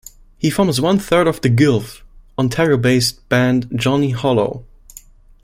He forms one third of the Guelph, Ontario based band Johnny Hollow.